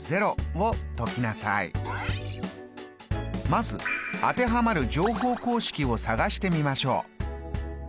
まず当てはまる乗法公式を探してみましょう。